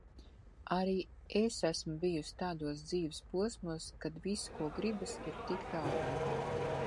Arī es esmu bijusi tādos dzīves posmos, kad viss, ko gribas, ir tikt ārā.